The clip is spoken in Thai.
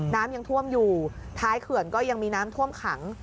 น้ำยังท่วมอยู่ท้ายเขื่อนก็ยังมีน้ำท่วมขัง